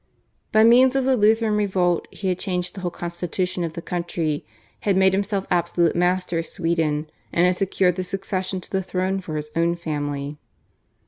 By means of the Lutheran revolt he had changed the whole constitution of the country, had made himself absolute master of Sweden, and had secured the succession to the throne for his own family.